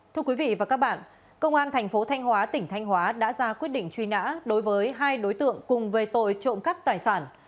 thưa quý vị và các bạn công an thành phố thanh hóa tỉnh thanh hóa đã ra quyết định truy nã đối với hai đối tượng cùng về tội trộm cắp tài sản